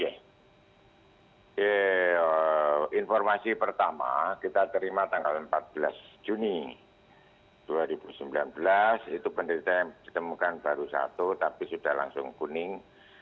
informasi pertama kita terima tanggal empat belas juni dua ribu sembilan belas itu penderita yang ditemukan baru satu tapi sudah langsung kuning